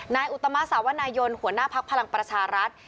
อุตมาสาวนายนหัวหน้าพักพลังประชารัฐ